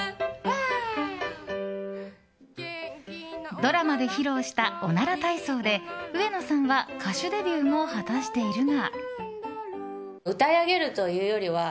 ドラマで披露した「おなら体操」で上野さんは歌手デビューも果たしているが。